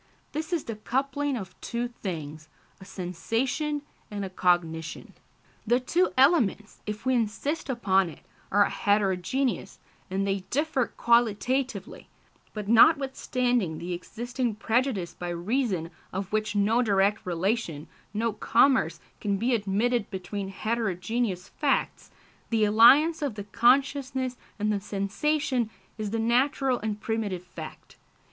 This is the coupling of two things a sensation and a cognition. The two elements, if we insist upon it, are heterogeneous, and they differ qualitatively; but notwithstanding the existing prejudice by reason of which no direct relation, no commerce, can be admitted between heterogeneous facts, the alliance of the consciousness and the sensation is the natural and primitive fact.